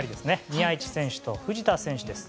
宮市選手と藤田選手です。